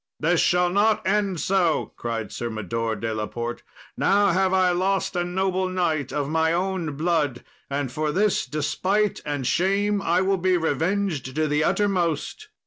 "This shall not end so," cried Sir Mador de la Port; "now have I lost a noble knight of my own blood, and for this despite and shame I will be revenged to the uttermost."